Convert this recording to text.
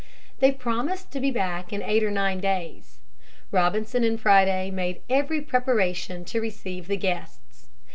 They promised to be back in eight or nine days. Robinson and Friday made every preparation to receive the guests.